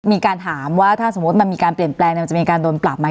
มีการถามว่าถ้าสมมุติมันมีการเปลี่ยนแปลงมันจะมีการโดนปรับไหม